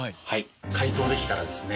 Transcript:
解凍できたらですね